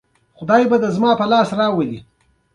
د چیلي د هیواد لوی خلیج دی.